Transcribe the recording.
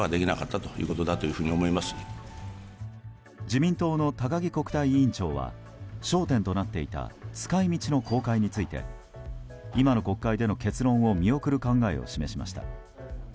自民党の高木国対委員長は焦点となっていた使い道の公開について今の国会での結論を見送る考えを示しました。